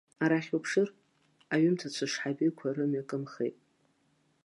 Арахь уԥшыр, аҩымҭа цәышҳабиқәа рымҩа кымхеит.